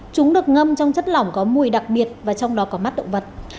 chúng được ngâm trong chất lỏng có mùi đặc biệt và trong đó có mắt động vật